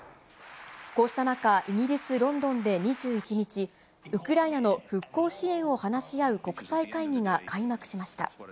こうした中、イギリス・ロンドンで２１日、ウクライナの復興支援を話し合う国際会議が開幕しました。